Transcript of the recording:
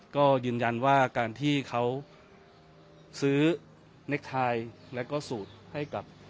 ก็ยืนยันว่าการที่เขาซื้อเน็กไทยแล้วก็สูตรให้กับ